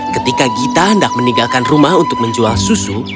ketika gita hendak meninggalkan rumah untuk menjual susu